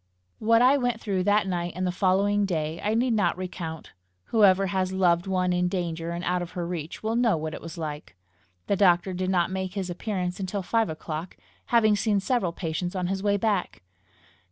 What I went through that night and the following day, I need not recount. Whoever has loved one in danger and out of her reach, will know what it was like. The doctor did not make his appearance until five o'clock, having seen several patients on his way back.